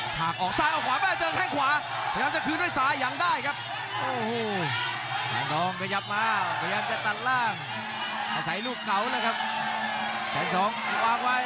ชากออกซ้ายออกขวาด้วย